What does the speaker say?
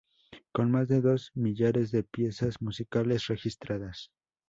Con más de dos millares de piezas musicales registradas.